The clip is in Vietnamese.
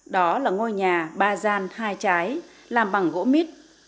đó là ngôi nhà ba gian hai trái làm bằng gỗ mít